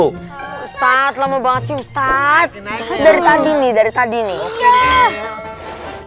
ustadz lama banget sih ustadz dari tadi nih dari tadi nih